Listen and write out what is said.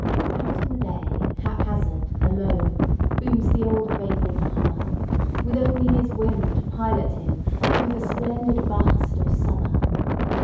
Out in the day, hap hazard, alone, Booms the old vagrant hummer, With only his whim to pilot himThrough the splendid vast of summer.